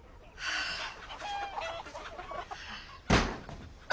ああ。